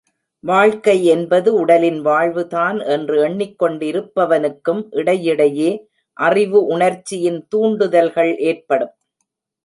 வாழ்க்கை என்பது உடலின் வாழ்வுதான் என்று எண்ணிக்கொண்டிருப்பவனுக்கும் இடையிடையே அறிவு உணர்ச்சியின் தூண்டுதல்கள் ஏற்படும்.